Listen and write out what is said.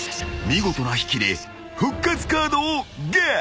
［見事な引きで復活カードをゲット］